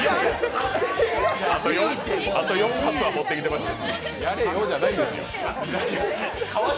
あと４発は持ってきてました。